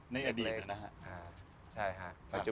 ในอดีตเนอะ